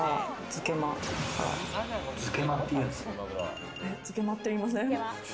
づけまって言いません？